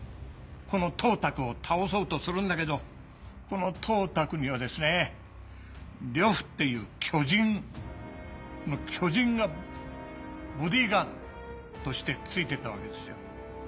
この董卓を倒そうとするんだけどこの董卓にはですね呂布っていう巨人巨人がボディーガードとしてついてたわけですよ。